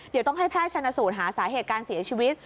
เดี๋ยวต้องให้แพทย์ชนสูตรหาสาเหตุการเสียชีวิต